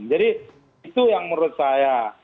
jadi itu yang menurut saya